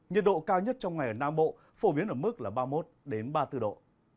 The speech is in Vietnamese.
nhiệt độ cao nhất trong ngày ở nam bộ phổ biến ở mức là ba mươi một ba mươi bốn độ